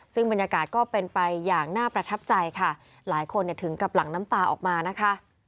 ซึ่งบรรยากาศก็เป็นไปอย่างน่าประทับใจค่ะหลายคนถึงกับหลังน้ำตาออกมานะคะ